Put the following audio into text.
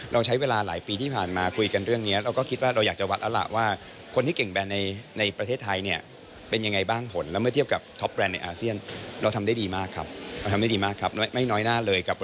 และก็ในประเทศไทยด้วยนะคะ